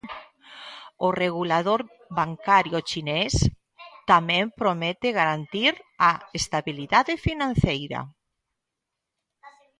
O regulador bancario chinés tamén promete garantir a estabilidade financeira.